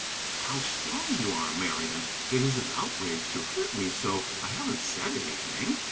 "How strong you are, Marian! It is an outrage to hurt me so. I haven't said anything."